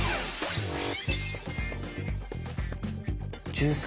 １３。